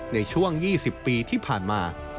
ในช่วง๒๐ปีที่ผ่านมา